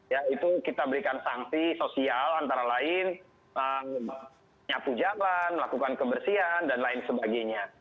ya itu kita berikan sanksi sosial antara lain nyapu jalan melakukan kebersihan dan lain sebagainya